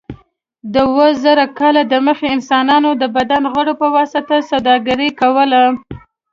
د اوه زره کاله دمخه انسانانو د بدن غړو په واسطه سوداګري کوله.